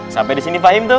sampai disini fahim tum